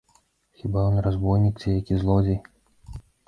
Хіба ён разбойнік ці які злодзей?